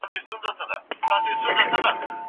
زه پرون مېوې وچولې.